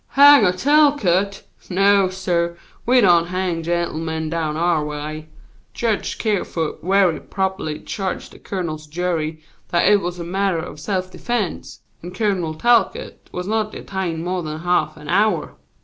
"Hang a Talcott! No, suh; we don't hang gentlemen down our way. Jedge Kerfoot vehy properly charged the coroner's jury that it was a matter of self defense, and Colonel Talcott was not detained mo' than haalf an hour."